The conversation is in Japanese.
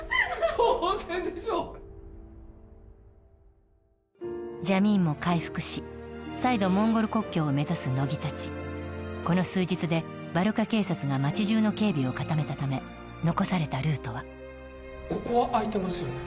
当然でしょうジャミーンも回復し再度モンゴル国境を目指す乃木たちこの数日でバルカ警察が町じゅうの警備を固めたため残されたルートはここは空いてますよね